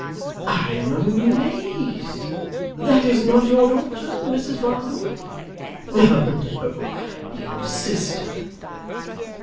I am amazed. That is not your daughter, Mrs Varden? No, no. Your sister.